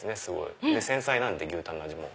繊細なんで牛タンの味も。